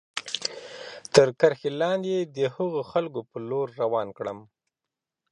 تر کرښې لاندې د هغو خلکو په لور روان کړم.